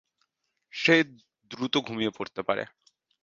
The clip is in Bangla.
সে দ্রুত ঘুমিয়ে পড়তে পারে।